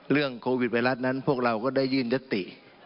โควิดไวรัสนั้นพวกเราก็ได้ยื่นยติ